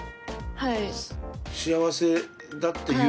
はい。